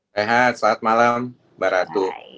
sehat selamat malam mbak ratu